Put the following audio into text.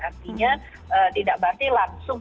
artinya tidak berarti langsung